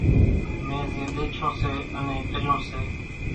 مين زين ۮيڇون سي انين ڪريون سي۔